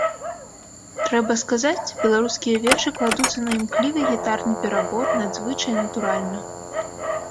Трэба сказаць, беларускія вершы кладуцца на імклівы гітарны перабор надзвычай натуральна.